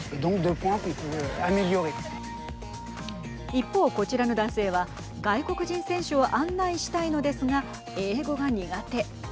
一方、こちらの男性は外国人選手を案内したいのですが英語が苦手。